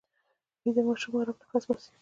ویده ماشوم ارام نفس باسي